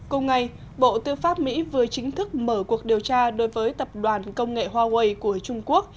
cùng ngày bộ tư pháp mỹ vừa chính thức mở cuộc điều tra đối với tập đoàn công nghệ huawei của trung quốc